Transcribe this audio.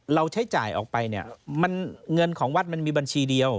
เราใช้จ่ายออกไปเงินของวัดมันมีบัญชีเดียว